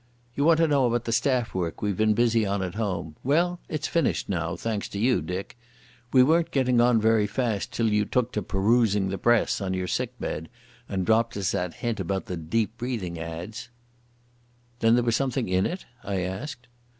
"You want to know about the staff work we've been busy on at home. Well, it's finished now, thanks to you, Dick. We weren't getting on very fast till you took to peroosing the press on your sick bed and dropped us that hint about the 'Deep breathing' ads." "Then there was something in it?" I asked.